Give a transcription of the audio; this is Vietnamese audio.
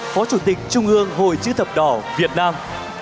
phó chủ tịch trung ương hội chữ thập đỏ việt nam